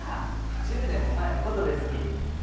１０年も前のことですき。